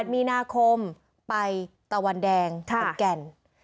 ๘มีนาคมไปตะวันแดงขอนแก่น